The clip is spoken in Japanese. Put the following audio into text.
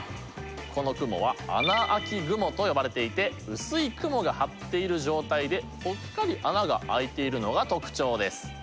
この雲は穴あき雲と呼ばれていて薄い雲が張っている状態でぽっかり穴が開いているのが特徴です。